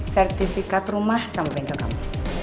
sertifikat rumah sampai ke kami